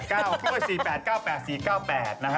ไม่มีคนบอกว่าให้ยกให้ดูอีกทีหนึ่งไง